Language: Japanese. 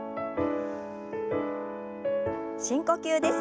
深呼吸です。